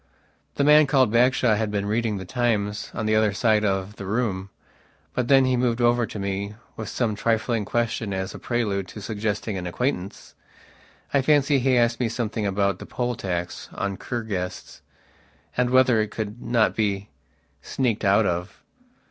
The man called Bagshawe had been reading The Times on the other side of the room, but then he moved over to me with some trifling question as a prelude to suggesting an acquaintance. I fancy he asked me something about the poll tax on Kur guests, and whether it could not be sneaked out of.